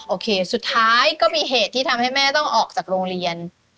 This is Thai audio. โอเคสุดท้ายก็มีเหตุที่ทำให้แม่ต้องออกจากโรงเรียน